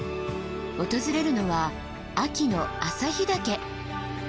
訪れるのは秋の朝日岳。